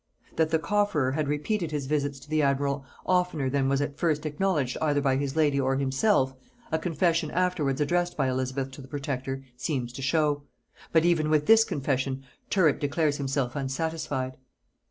That the cofferer had repeated his visits to the admiral oftener than was at first acknowledged either by his lady or himself, a confession afterwards addressed by Elizabeth to the protector seems to show; but even with this confession Tyrwhitt declares himself unsatisfied.